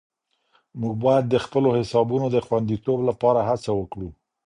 موږ باید د خپلو حسابونو د خوندیتوب لپاره هڅه وکړو.